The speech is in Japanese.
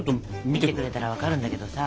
見てくれたら分かるんだけどさ。